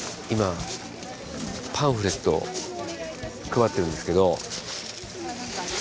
今パンフレット配ってるんですけど。